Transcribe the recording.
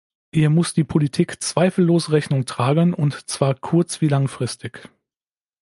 Ihr muss die Politik zweifellos Rechnung tragen, und zwar kurzwie langfristig.